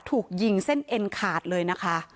ถูกยิงเส้นเอ็นขาดเลยนะคะ